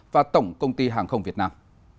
và tổng công ty hàng không việt nam